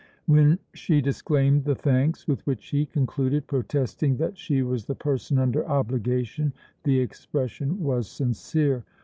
When she disclaimed the thanks with which he concluded, protesting that she was the person under obligation, the expression was sincere.